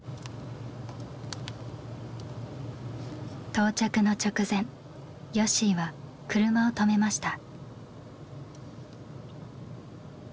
到着の直前よっしーは車を止めました。